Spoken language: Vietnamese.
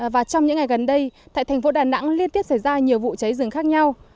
và trong những ngày gần đây tại thành phố đà nẵng liên tiếp xảy ra nhiều vụ cháy rừng khác nhau